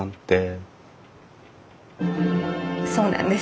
そうなんです。